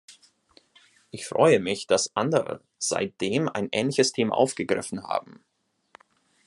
Ich freue mich, dass andere seitdem ein ähnliches Thema aufgegriffen haben.